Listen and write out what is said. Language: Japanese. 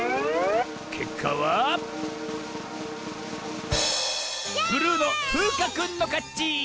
けっかはブルーのふうかくんのかち！